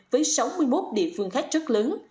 với sáu mươi một địa phương khác rất lớn